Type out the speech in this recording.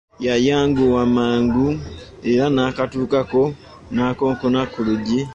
Yayanguwa okukatukako era n'akonkona ku luggi.